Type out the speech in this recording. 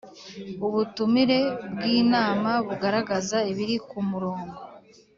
Ubutumire bw inama bugaragaza ibiri ku murongo